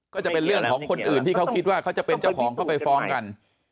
ก็จะเป็นเรื่องของคนอื่นที่เขาคิดว่าเขาจะเป็นเจ้าของเขาไปฟ้องกัน